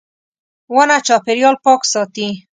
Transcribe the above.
• ونه چاپېریال پاک ساتي.